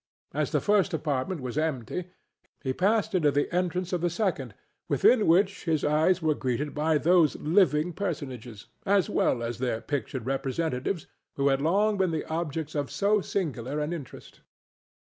As the first apartment was empty, he passed to the entrance of the second, within which his eyes were greeted by those living personages, as well as their pictured representatives, who had long been the objects of so singular an interest.